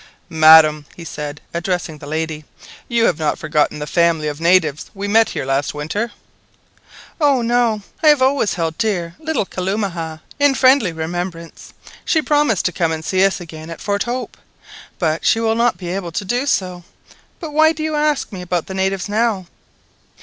"Madam," he said, addressing the lady, "you have not forgotten the family of natives we met here last winter?" "Oh no, I have always held dear little Kalumah in friendly remembrance. She promised to come and see us again at Fort Hope, but she will not be able to do so. But why do you ask me about the natives now?"